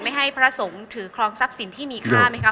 ให้พระสงฆ์ถือครองทรัพย์สินที่มีค่าไหมคะ